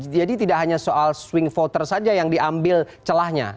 jadi tidak hanya soal swing voter saja yang diambil celahnya